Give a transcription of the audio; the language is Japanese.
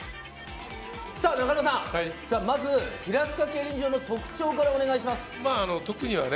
中野さん、まず平塚競輪場の特徴からお願いします。